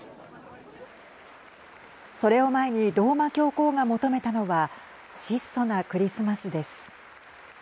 それを前にローマ教皇が求めたのは質素なクリスマスです。